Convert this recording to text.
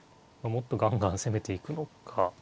もっとガンガン攻めていくのか。